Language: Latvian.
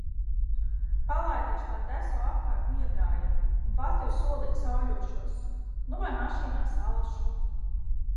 Palaidīšu, lai deso apkārt Niedrājam, un pati uz soliņa sauļošos. Nu vai mašīnā salšu.